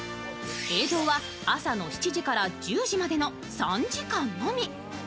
営業は朝の７時から１０時までの３時間のみ。